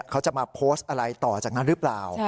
เขาจะมาโพสต์อะไรต่อจากนั้นหรือเปล่า